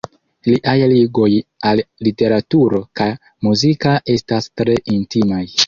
Liaj ligoj al literaturo ka muziko estas tre intimaj.